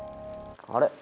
あれ？